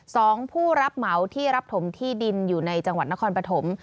สองผู้รับเหมาที่รับถมที่ดินอยู่ในจังหวัดนครปฐม